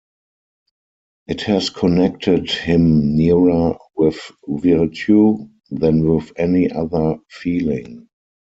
It has connected him nearer with virtue than with any other feeling.